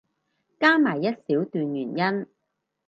加埋一小段原因